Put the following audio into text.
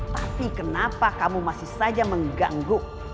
tapi kenapa kamu masih saja mengganggu